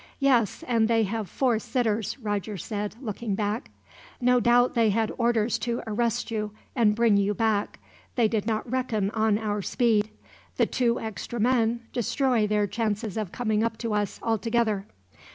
"Yes, and they have four sitters," Roger said, looking back. "No doubt they had orders to arrest you, and bring you back. They did not reckon on our speed. The two extra men destroy their chances of coming up to us, altogether.